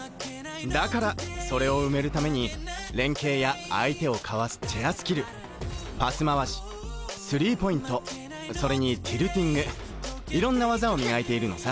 だからそれを埋めるために連携や相手をかわすチェアスキルパス回しスリーポイントそれにティルティングいろんな技を磨いているのさ。